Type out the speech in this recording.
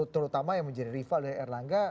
terutama yang menjadi rival dari erlangga